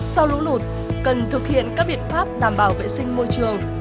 sau lũ lụt cần thực hiện các biện pháp đảm bảo vệ sinh môi trường